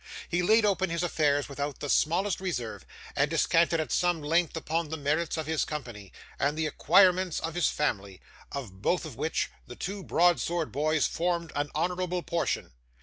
He laid open his affairs without the smallest reserve, and descanted at some length upon the merits of his company, and the acquirements of his family; of both of which, the two broad sword boys formed an honourable portion.